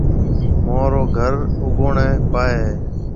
مهورو گھر اُوگوڻي پاهيَ هيَ۔